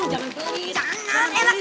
jangan pelit dong jangan pelit